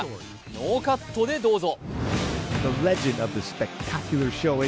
ノーカットでどうぞ。